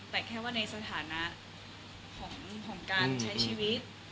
แต่แค่ว่าในสถานะของการใช้ชีวิต